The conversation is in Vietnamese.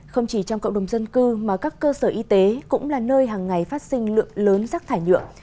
không chỉ trong cộng đồng dân cư mà các cơ sở y tế cũng là nơi hàng ngày phát sinh lượng lớn rác thải nhựa